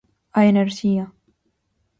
A enerxía.